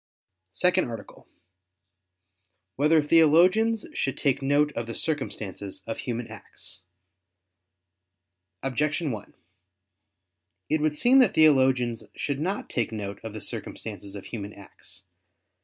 ________________________ SECOND ARTICLE [I II, Q. 7, Art. 2] Whether Theologians Should Take Note of the Circumstances of Human Acts? Objection 1: It would seem that theologians should not take note of the circumstances of human acts.